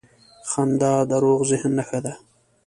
• خندا د روغ ذهن نښه ده.